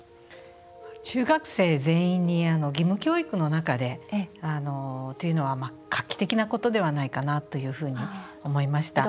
中学生全員に義務教育の中でというのは画期的なことではないかなというふうに思いました。